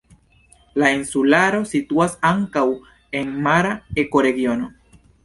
La insularo situas ankaŭ en mara ekoregiono.